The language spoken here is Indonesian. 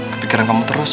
kepikiran kamu terus